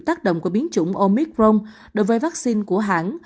tác động của biến chủng omicron đối với vaccine của hãng